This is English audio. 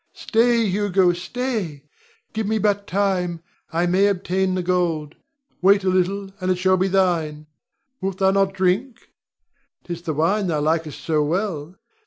Rod. Stay, Hugo, stay! Give me but time; I may obtain the gold. Wait a little, and it shall be thine. Wilt thou not drink? 'Tis the wine thou likest so well.